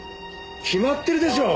決まってるでしょう！